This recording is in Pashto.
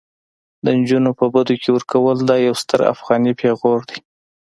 د انجونو په بدو کي ورکول دا يو ستر افغاني پيغور دي